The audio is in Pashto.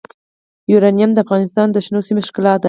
یورانیم د افغانستان د شنو سیمو ښکلا ده.